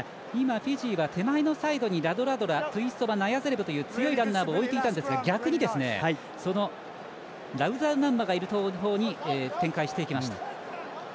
フィジーは手前のサイドにラドラドラ、テュイソバナヤザレブという強いランナーを置いていたんですが逆に、そのラブタウマンダがいる方に展開していきました。